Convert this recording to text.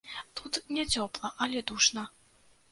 Тут не цёпла, але душна.